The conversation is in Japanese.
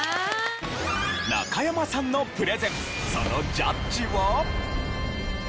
中山さんのプレゼンそのジャッジは？